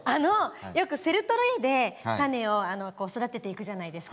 よくセルトレイでタネを育てていくじゃないですか。